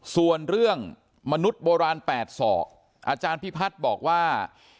ส่วนเรื่องมนุษย์โบราณ๘ศอกอาจารย์พิพัฒน์บอกว่า